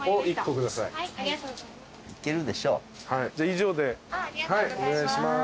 以上でお願いします。